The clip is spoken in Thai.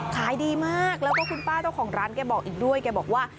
ขายดีมากแล้วก็คุณป้าเจ้าของร้านแกบอกอีกด้วยแกบอกว่า